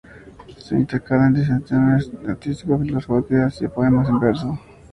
Se intercalan disertaciones artístico-filosóficas y poemas en verso.